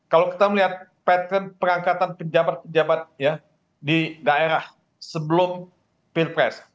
kalau kita melihat pattern perangkatan penjabat penjabat di daerah sebelum pilpres